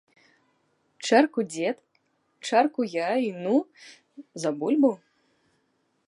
Чарку дзед, чарку я, і ну, за бульбу.